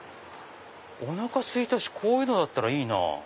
おなかすいたしこういうのだったらいいな。